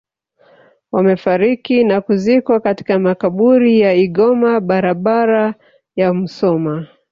Wamefariki na kuzikwa katika makaburi ya Igoma barabara ya Musoma